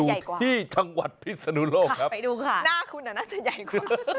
หน้าจะใหญ่กว่าค่ะไปดูค่ะหน้าคุณอ่ะน่าจะใหญ่กว่า